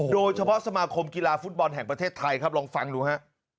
สมาคมกีฬาฟุตบอลแห่งประเทศไทยครับลองฟังดูฮะ